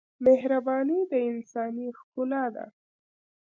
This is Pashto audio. مهرباني د انسانۍ ښکلا ده.